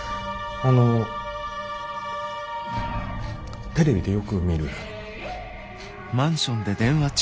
あのテレビでよく見る。